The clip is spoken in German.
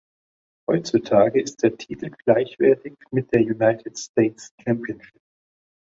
Heutzutage ist der Titel gleichwertig mit der "United States Championship".